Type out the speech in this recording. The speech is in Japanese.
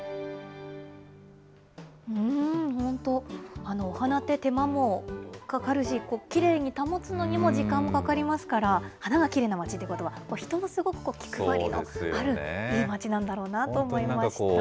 本当、お花って手間もかかるし、きれいに保つのにも時間もかかりますから、花がきれいな町ってことは、人がすごく気配りのあるいい町なんだろうなと思いました。